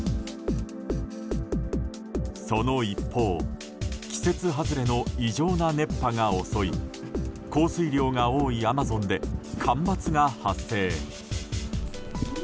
その一方、季節外れの異常な熱波が襲い降水量が多いアマゾンで干ばつが発生。